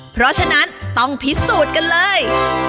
เพราะฉะนั้นต้องพิสูจน์กันเลย